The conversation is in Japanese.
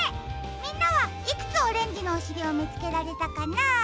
みんなはいくつオレンジのおしりをみつけられたかな？